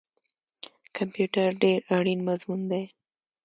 کمپیوټر ډیر اړین مضمون دی